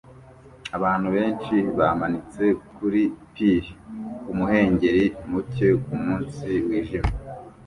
Abantu benshi bamanitse kuri pir kumuhengeri muke kumunsi wijimye